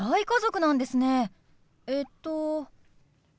えっと？